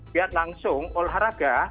biar langsung olahraga